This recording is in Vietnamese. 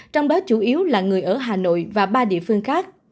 trong đó chủ yếu là người ở hà nội và ba địa phương khác